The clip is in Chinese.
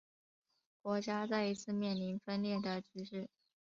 国家再一次面临分裂的局势。